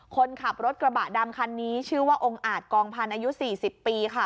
คนขับรถกระบะดำคันนี้ชื่อว่าองค์อาจกองพันธ์อายุ๔๐ปีค่ะ